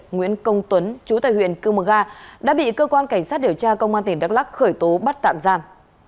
nguyễn công tuấn chú tại huyện cư mờ ga đã bị cơ quan cảnh sát điều tra công an tỉnh đắk lắc khởi tố bắt tạm giam